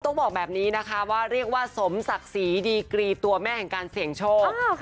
ต้องบอกแบบนี้นะคะว่าเรียกว่าสมศักดิ์ศรีดีกรีตัวแม่แห่งการเสี่ยงโชค